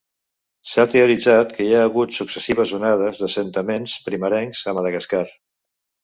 S'ha teoritzat que hi ha hagut successives onades d'assentaments primerencs a Madagascar.